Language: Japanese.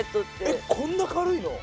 えっこんな軽いの？